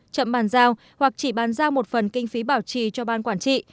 chậm bàn giao hoặc chỉ bàn giao một phần kinh phí bảo trì cho ban quản trị